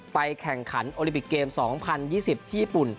แข่งขันโอลิปิกเกม๒๐๒๐ที่ญี่ปุ่น